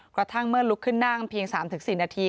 กระทั่งเมื่อลุกขึ้นนั่งเพียง๓๔นาที